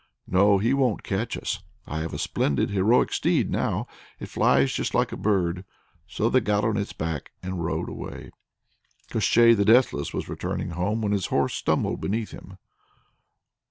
"No, he won't catch us! I have a splendid heroic steed now; it flies just like a bird." So they got on its back and rode away. Koshchei the Deathless was returning home when his horse stumbled beneath him.